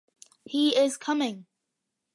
He is coming!